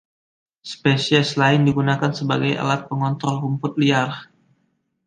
Spesies lain digunakan sebagai alat pengontrol rumput liar.